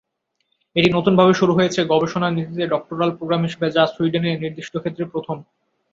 এটি নতুনভাবে শুরু হয়েছে গবেষণা নীতিতে ডক্টরাল প্রোগ্রাম হিসেবে, যা সুইডেনে নির্দিষ্ট ক্ষেত্রে প্রথম।